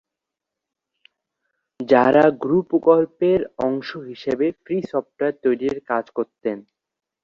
যারা গ্নু প্রকল্পের অংশ হিসাবে ফ্রি সফটওয়্যার তৈরীর কাজ করতেন।